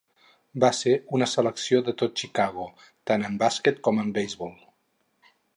Va ser una selecció de tot Chicago tant en bàsquet com en beisbol.